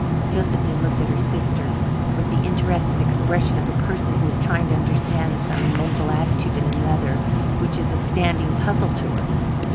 Josephine looked at her sister with the interested expression of a person who is trying to understand some mental attitude in another which is a standing puzzle to her.